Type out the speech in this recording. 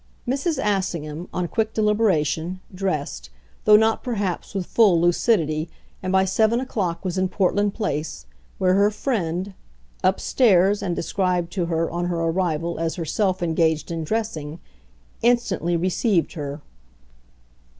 Mrs. Assingham, on quick deliberation, dressed, though not perhaps with full lucidity, and by seven o'clock was in Portland Place, where her friend, "upstairs" and described to her on her arrival as herself engaged in dressing, instantly received her.